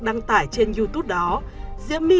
đăng tải trên youtube đó diễm my